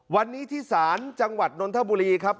วันนี้ที่ศาลจังหวัดนนทบุรีครับ